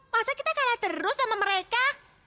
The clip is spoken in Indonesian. masa kita kalah terus sama mereka